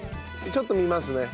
ちょっと診ます。